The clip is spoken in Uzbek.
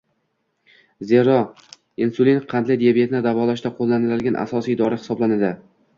Zero, insulin qandli diabetni davolashda qo‘llaniladigan asosiy dori hisoblanadi